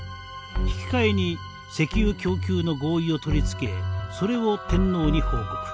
引き換えに石油供給の合意を取り付けそれを天皇に報告。